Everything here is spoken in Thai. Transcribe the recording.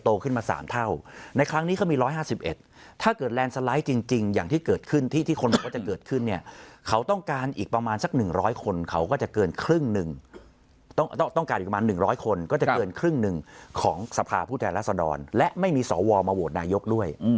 ต้องการอยู่กันประมาณ๑๐๐คนก็จะเกินครึ่งหนึ่งของสภาพผู้แทนรัศนรและไม่มีสวมาโหวตนายกด้วย